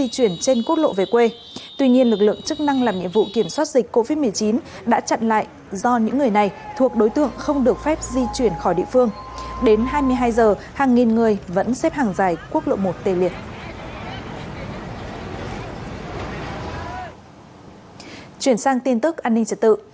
chuyển sang tin tức an ninh trật tự